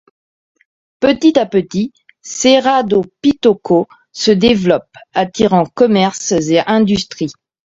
Petit à petit, Serra do Pitoco se développe, attirant commerces et industries.